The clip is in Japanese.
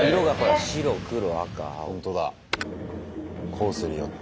コースによって。